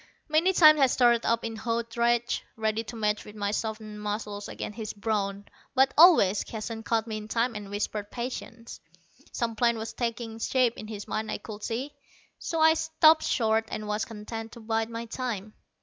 Many times I started up in hot rage, ready to match my softened muscles against his brawn. But always Keston caught me in time and whispered patience. Some plan was taking shape in his mind, I could see, so I stopped short, and was content to bide my time.